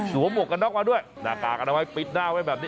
หมวกกันน็อกมาด้วยหน้ากากอนามัยปิดหน้าไว้แบบนี้